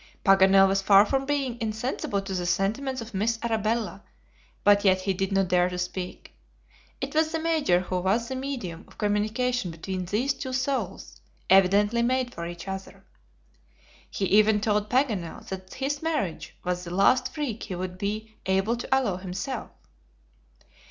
Paganel was far from being insensible to the sentiments of Miss Arabella, but yet he did not dare to speak. It was the Major who was the medium of communication between these two souls, evidently made for each other. He even told Paganel that his marriage was the last freak he would be able to allow himself.